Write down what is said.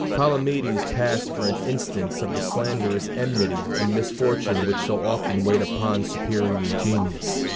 Palamedes passed for an instance of the slanderous enmity and misfortune which so often wait upon superior genius.